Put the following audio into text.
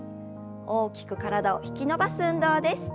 大きく体を引き伸ばす運動です。